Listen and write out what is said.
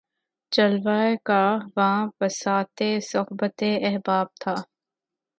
جلوہٴ گل واں بساطِ صحبتِ احباب تھا